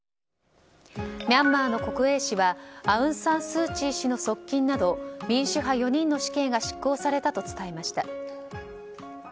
ミャンマーの国営紙はアウン・サン・スー・チー氏の側近など民主派４人の死刑が執行されたと伝えました。